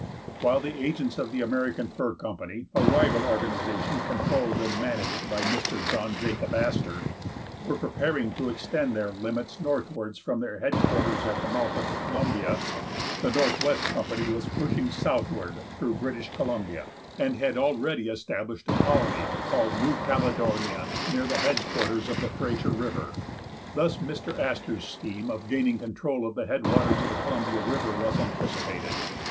While the agents of the American Fur Company, a rival organization controlled and managed by Mr. John Jacob Astor, were preparing to extend their limits northwards from their headquarters at the mouth of the Columbia, the Northwest Company was pushing southward through British Columbia, and had already established a colony called New Caledonia near the headquarters of the Fraser River. Thus Mr. Astor's scheme of gaining control of the head waters of the Columbia River was anticipated.